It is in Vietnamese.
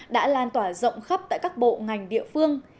đã lan tỏa rộng khắp tại các bộ ngành địa phương